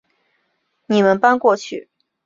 你们搬过去